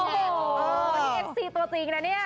อ๋ออันนี้เอ็กซี่ตัวจริงนะเนี่ย